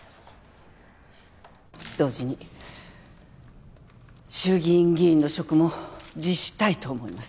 同時に衆議院議員の職も辞したいと思います。